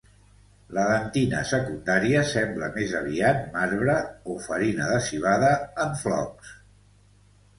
La dentina secundària sembla més aviat marbre, o farina de civada en flocs.